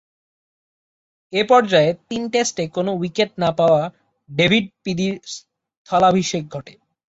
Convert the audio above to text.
এ পর্যায়ে তিন টেস্টে কোন উইকেট না পাওয়া ডেভিড পিদি’র স্থলাভিষিক্ত হন।